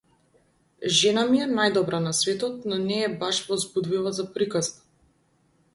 Жена ми е најдобра на светот, но не е баш возбудлива за приказна.